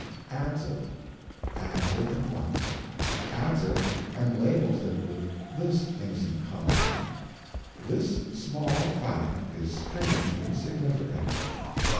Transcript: Adds it. Adds it at once. Adds it, and labels it with this innocent comment: "This small fact is strangely significant."